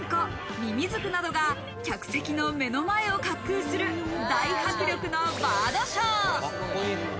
ミミズクなどが客席の目の前を滑空する、大迫力のバードショー。